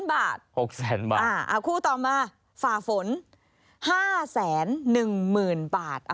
๖๐๐๐๐๐บาทคู่ต่อมาฝ่าฝน๕๑๐๐๐บาท